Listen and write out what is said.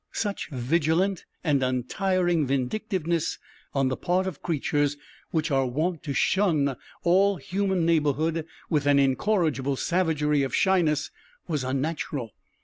Such vigilant and untiring vindictiveness on the part of creatures which are wont to shun all human neighborhood with an incorrigible savagery of shyness was unnatural.